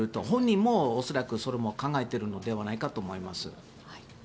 本人も恐らくそれも考えているのではないかと思います。